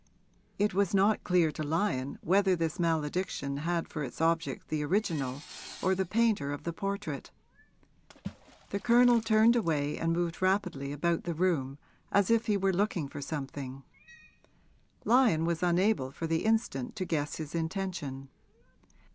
It was not clear to Lyon whether this malediction had for its object the original or the painter of the portrait. The Colonel turned away and moved rapidly about the room, as if he were looking for something; Lyon was unable for the instant to guess his intention.